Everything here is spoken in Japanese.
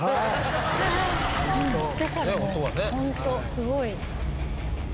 すごい」